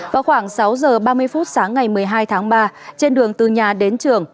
vào khoảng sáu giờ ba mươi phút sáng ngày một mươi hai tháng ba trên đường từ nhà đến trường